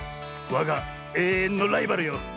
わがえいえんのライバルよ。